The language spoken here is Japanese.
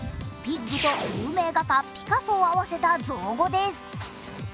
ピッグと有名画家ピカソを合わせた造語です。